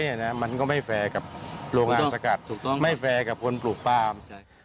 มันก็ไม่แฟร์กับโรงงานสกัดถูกต้องไม่แฟร์กับคนปลูกปลาม